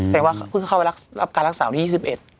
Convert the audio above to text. แต่ว่าเพิ่งเข้าไปรับการรักษาวันที่๒๑